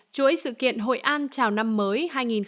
chuỗi sự kiện hội an chào năm mới hai nghìn hai mươi